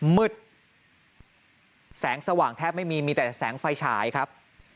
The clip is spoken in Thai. มืดแสงสว่างแทบไม่มีมีแต่แสงไฟฉายครับ